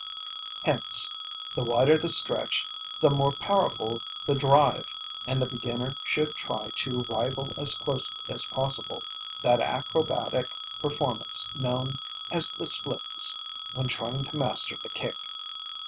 Hence, the wider the stretch the more powerful the "drive," and the beginner should try to rival as closely as possible that acrobatic performance known as "the splits" when trying to master the kick.